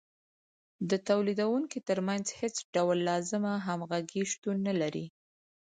د تولیدونکو ترمنځ هېڅ ډول لازمه همغږي شتون نلري